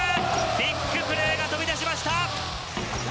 ビッグプレーが飛び出しました。